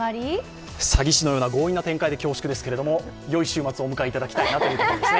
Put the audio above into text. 詐欺師のような強引な展開で恐縮ですけれどもよい週末をお迎えいただきたいなということですね。